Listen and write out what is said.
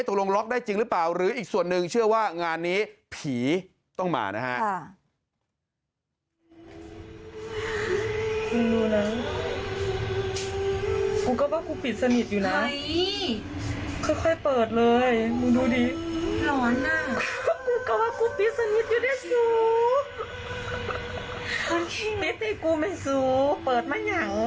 ก็ว่ากูเปลี่ยนสนิทอยู่ได้